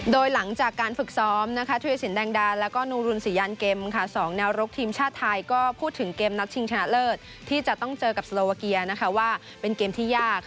โดยหลังจากการฝึกซ้อมทุยศิลป์แดงดาและนูรุนสียานเกม๒แนวรกทีมชาติไทยก็พูดถึงเกมนักชิงชนะเลิศที่จะต้องเจอกับสลวเกียว่าเป็นเกมที่ยาก